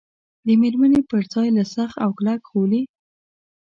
د مېرمنې پر ځای له سخت او کلک غولي.